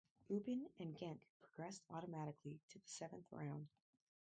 Eupen and Genk progressed automatically to the seventh round.